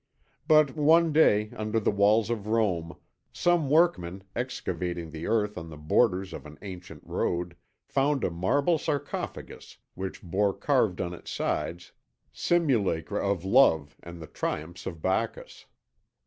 "But one day, under the walls of Rome, some workmen, excavating the earth on the borders of an ancient road, found a marble sarcophagus which bore carved on its sides simulacra of Love and the triumphs of Bacchus.